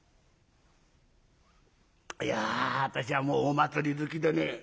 「いや私はもうお祭り好きでね。